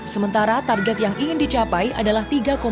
sementara target yang ingin dicapai adalah tiga lima puluh lima